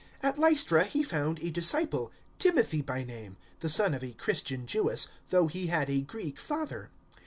At Lystra he found a disciple, Timothy by name the son of a Christian Jewess, though he had a Greek father.